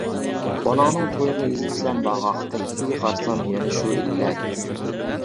بالاڭنىڭ تويىغا يېزىپسەن باغاق، تەكتىگە قارىسام يەنە شۇ ئىللەت.